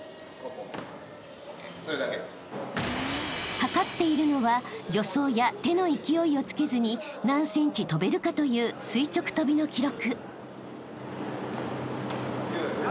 ［測っているのは助走や手の勢いをつけずに何ｃｍ跳べるかという垂直跳びの記録］